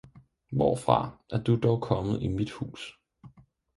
hvorfra er Du dog kommet i mit Huus!